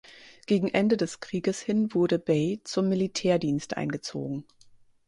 Gegen Ende des Krieges hin wurde Bey zum Militärdienst eingezogen.